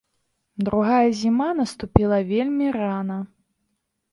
Другая зіма наступіла вельмі рана.